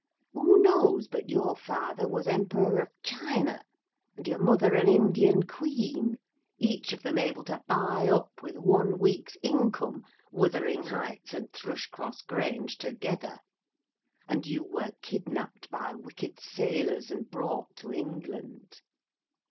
Who knows but your father was Emperor of China, and your mother an Indian queen, each of them able to buy up, with one week's income, Wuthering Heights and Thrushcross Grange together? And you were kidnapped by wicked sailors and brought to England.